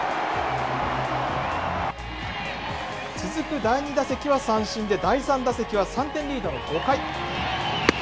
続く第２打席は三振で、第３打席は３点リードの５回。